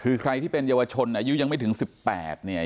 คือใครที่เป็นเยาวชนอายุยังไม่ถึง๑๘เนี่ย